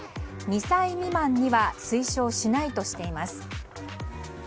２歳未満には推奨しないとしています。